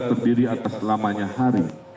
terdiri atas selamanya hari